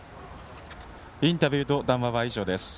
インタビューと談話は以上です。